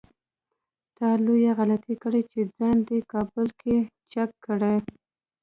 تا لويه غلطي کړې چې ځان دې کابل کې چک کړی.